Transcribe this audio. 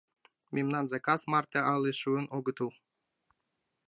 Мемнан заказ марте але шуын огытыл.